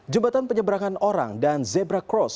jembatan penyeberangan orang dan zebra cross